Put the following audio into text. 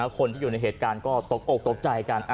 คนที่อยู่ในเหตุการณ์ก็ตกอกตกใจกัน